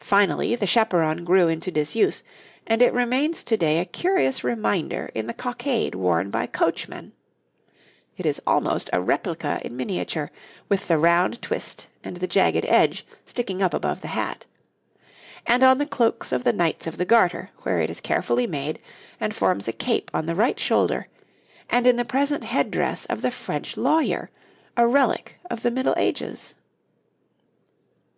Finally, the chaperon grew into disuse, and it remains to day a curious reminder in the cockade worn by coachmen (it is almost a replica in miniature, with the round twist and the jagged edge sticking up above the hat) and on the cloaks of the Knights of the Garter, where it is carefully made, and forms a cape on the right shoulder, and in the present head dress of the French lawyer, a relic of the Middle Ages.